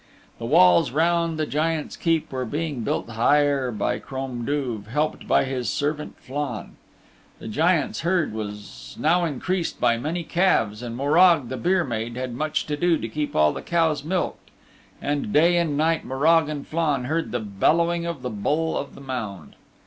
The walls round the Giant's Keep were being built higher by Crom Duv, helped by his servant Flann. The Giant's herd was now increased by many calves, and Morag the byre maid had much to do to keep all the cows milked. And day and night Morag and Flann heard the bellowing of the Bull of the Mound.